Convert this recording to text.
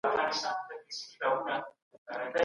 آیا ژوندپوهنه د سمندرونو د کبانو په اړه معلومات ورکوي؟